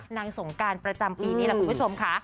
สงการประจำปีนี่แหละคุณผู้ชมค่ะ